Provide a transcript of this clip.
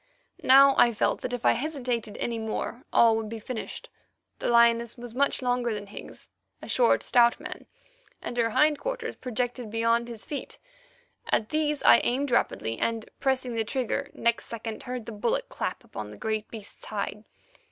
Now I felt that if I hesitated any more, all would be finished. The lioness was much longer than Higgs—a short, stout man—and her hind quarters projected beyond his feet. At these I aimed rapidly, and, pressing the trigger, next second heard the bullet clap upon the great beast's hide.